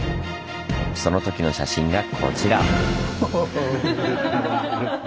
そのときの写真がこちら！